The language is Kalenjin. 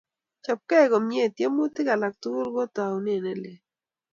Chopkei komie, tiemutik alak tugul ko taunet ne lel